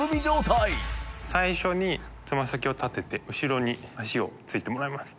茖錣気鵝最初につま先を立てて後ろに脚をついてもらいます。